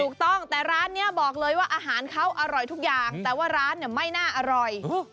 ถูกต้องแต่ร้านนี้บอกเลยว่าอาหารเขาอร่อยทุกอย่างแต่ว่าร้านเนี่ยไม่น่าอร่อย